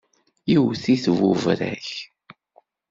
Iwwet-it buberrak.